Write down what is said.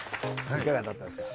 いかがだったですか？